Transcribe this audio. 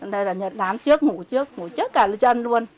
đây là đán trước ngủ trước ngủ trước cả dân luôn